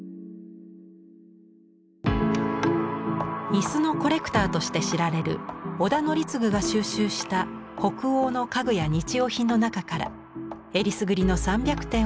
椅子のコレクターとして知られる織田憲嗣が収集した北欧の家具や日用品の中からえりすぐりの３００点を紹介。